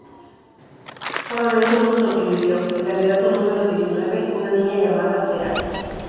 Solamente uno sobrevivió: el candidato número diecinueve, una niña llamada Sera.